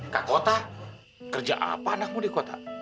kak kota kerja apa anakmu di kota